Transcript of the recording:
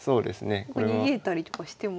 逃げたりとかしても。